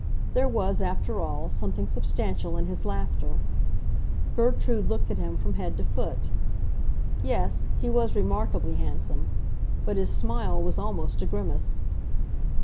There was, after all, something substantial in his laughter. Gertrude looked at him from head to foot. Yes, he was remarkably handsome; but his smile was almost a grimace.